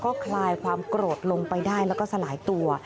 ก็คลายความโกรธลงไปได้แล้วก็สลายตัว